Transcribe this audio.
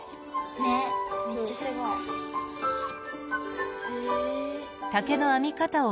ねっめっちゃすごい。へえ。